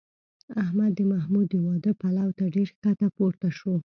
احمد د محمود د واده پلو ته ډېر ښکته پورته شو